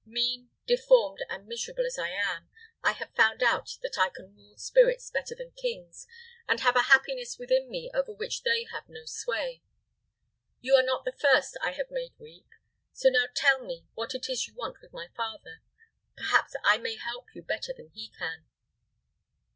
Mean, deformed, and miserable as I am, I have found out that I can rule spirits better than kings, and have a happiness within me over which they have no sway. You are not the first I have made weep. So now tell me what it is you want with my father. Perhaps I may help you better than he can."